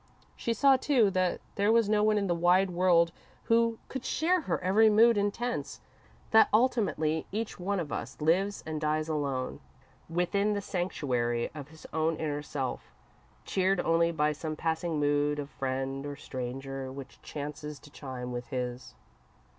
She saw, too, that there was no one in the wide world who could share her every mood and tense, that ultimately each one of us lives and dies alone, within the sanctuary of his own inner self, cheered only by some passing mood of friend or stranger, which chances to chime with his.